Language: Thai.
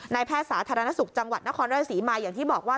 แพทย์สาธารณสุขจังหวัดนครราชศรีมาอย่างที่บอกว่า